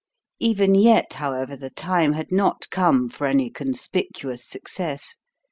Even yet, however, the time had not come for any conspicuous success.